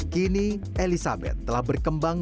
kini elizabeth telah memperbaiki